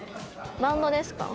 バンドですか？